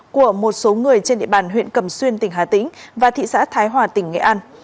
của một số người trên địa bàn huyện cẩm xuyên tỉnh hà tĩnh và thị xã thái hòa tỉnh nghệ an